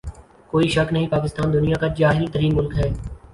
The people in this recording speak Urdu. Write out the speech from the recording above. کوئی شک نہیں پاکستان دنیا کا جاھل ترین ملک ہے